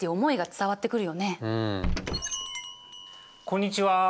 こんにちは！